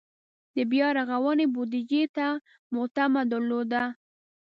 د بیا رغونې بودجې ته مو تمه درلوده.